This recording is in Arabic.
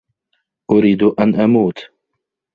أريد أن أموت.